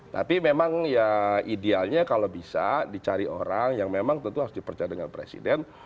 tapi memang ya idealnya kalau bisa dicari orang yang memang tentu harus dipercaya dengan presiden